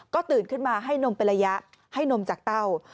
ก็ตื่นขึ้นมาให้นมเป็นระยะให้นมจากเต้า